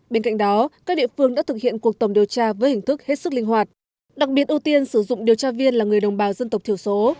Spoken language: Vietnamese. bên cạnh đó các địa phương đã thực hiện cuộc tổng điều tra với hình thức hết sức linh hoạt đặc biệt ưu tiên sử dụng điều tra viên là người đồng bào dân tộc thiểu số